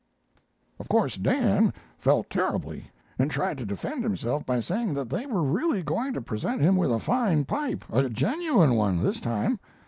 "Of course Dan felt terribly, and tried to defend himself by saying that they were really going to present him with a fine pipe a genuine one, this time.